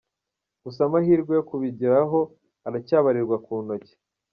Gusa amahirwe yo kubigeraho aracyabarirwa ku ntoki.